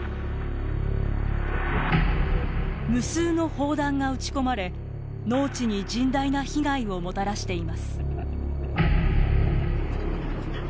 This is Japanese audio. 無数の砲弾が撃ち込まれ、農地に甚大な被害をもたらしています。